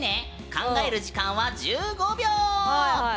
考える時間は１５秒。